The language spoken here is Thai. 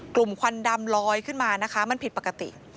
ควันดำลอยขึ้นมานะคะมันผิดปกติ